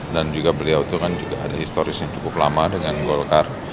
dan juga beliau itu kan juga ada historis yang cukup lama dengan golkar